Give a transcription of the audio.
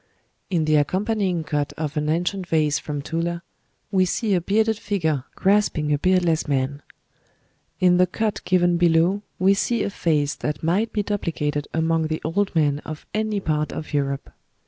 In the accompanying cut of an ancient vase from Tula, we see a bearded figure grasping a beardless man. In the cut given below we see a face that might be duplicated among the old men of any part of Europe.